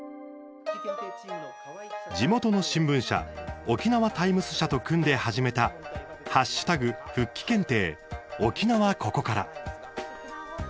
地元の新聞社沖縄タイムス社と組んで始めた「＃復帰検定オキナワココカラ」。